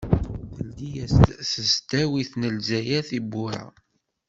Teldi-as-d tesdawit n Lezzayer tiwwura.